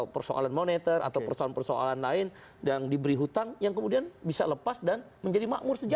persoalan moneter atau persoalan persoalan lain yang diberi hutang yang kemudian bisa lepas dan menjadi makmur sejarah